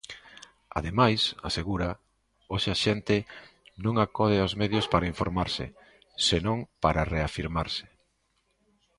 Ademais, asegura, "hoxe a xente non acode aos medios para informarse", senón para "reafirmarse".